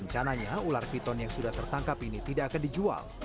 rencananya ular piton yang sudah tertangkap ini tidak akan dijual